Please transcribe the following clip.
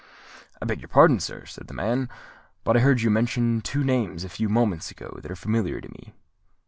"I beg your pardon, sir," said the man; "but I heard you mention two names a few moments ago that are familiar to me."